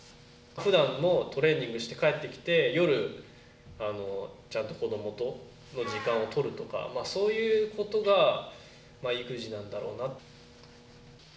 ふだんもトレーニングして帰ってきて夜ちゃんと子どもとの時間を取るとか、そういうことが育児なんだろうな。